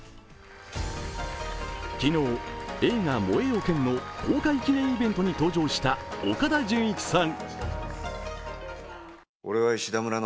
昨日、映画「燃えよ剣」の公開記念イベントに登場した岡田准一さん。